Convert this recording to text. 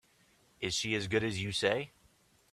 Is she as good as you say?